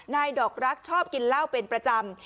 ดอกรักชอบกินเหล้าเป็นประจำ